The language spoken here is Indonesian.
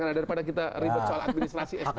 karena daripada kita ribet soal administrasi